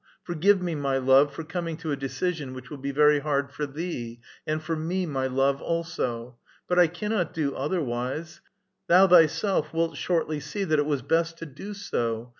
Forgive me, my love, for coming to a decision which will be ver}^ hard for thee, and for xne, my love, also ! But I cannot do otherwise ; thou thyself w^ilt shortly see that it was best to do so.